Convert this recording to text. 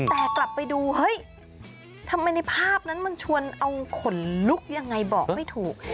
แต่กลับไปดูเฮ้ยทำไมในภาพนั้นมันชวนเอาขนลุกยังไงบอกไม่ถูก